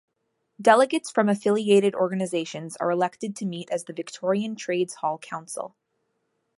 Delegates from affiliated organisations are elected to meet as the Victorian Trades Hall Council.